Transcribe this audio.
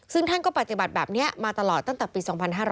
ซึ่งท่านก็ปฏิบัติแบบนี้มาตลอดตั้งแต่ปี๒๕๕๙